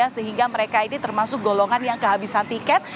sehingga mereka ini termasuk golongan yang kehabisan tiket